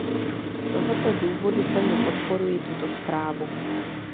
Z tohoto důvodu plně podporuji tuto zprávu.